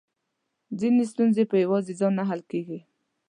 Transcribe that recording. ځينې ستونزې په يواځې ځان نه حل کېږي .